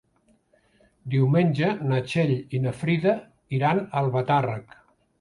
Diumenge na Txell i na Frida iran a Albatàrrec.